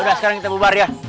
udah sekarang kita bubar ya